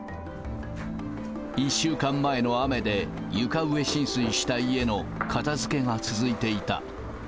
１週間前の雨で床上浸水した家の片づけが続いていた。